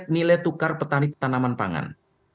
nilai tukar petani tanaman pangan